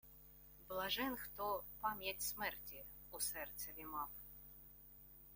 Блажен, хто пам’ять смерті у серцеві мав.